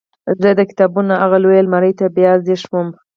زه د کتابونو هغې لویې المارۍ ته بیا ځیر شوم